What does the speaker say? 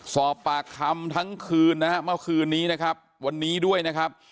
สอบปากคำทั้งคืนนะฮะเมื่อคืนนี้นะครับวันนี้ด้วยนะครับ